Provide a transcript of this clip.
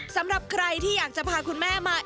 สำหรับใครที่อยากจะพาคุณแม่มา